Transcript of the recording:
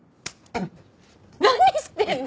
何してんの？